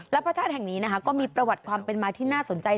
และพระธาตุแห่งนี้นะคะก็มีประวัติความเป็นมาที่น่าสนใจ